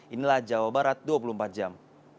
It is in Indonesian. inilah jawa barat dua puluh empat jam